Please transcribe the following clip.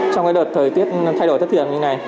trong đợt thời tiết thay đổi thất thiện như này